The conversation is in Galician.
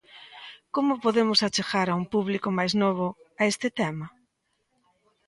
Como podemos achegar a un público máis novo a este tema?